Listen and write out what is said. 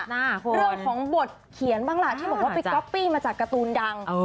เรื่องของบทเขียนบ้างล่ะที่บอกว่าไปก๊อปปี้มาจากการ์ตูนดัง